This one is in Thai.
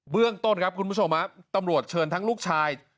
เรื่องต้นครับคุณผู้ชมตำรวจเชิญทั้งลูกชาย